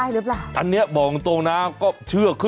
ลองลองช้าวขอกลุก